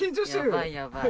やばいやばい。